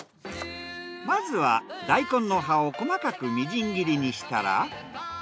まずは大根の葉を細かくみじん切りにしたら。